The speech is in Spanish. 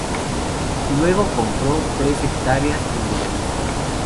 Luego compró tres hectáreas en Bella Vista.